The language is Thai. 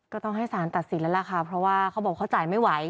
ก็ต้องให้สารตัดสินแล้วล่ะค่ะเพราะว่าเขาบอกเขาจ่ายไม่ไหว